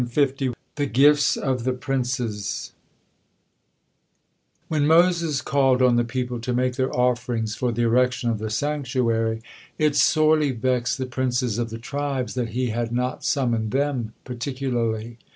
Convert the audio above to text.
THE GIFTS OF THE PRINCES When Moses called on the people to make their offerings for the erection of the sanctuary, it sorely vexed the princes of the tribes that he had not summoned them particularly.